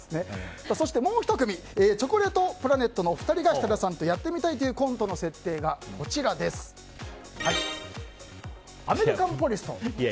そしてもう１組チョコレートプラネットの２人が設楽さんとやってみたいというコントの設定がアメリカンポリスだと。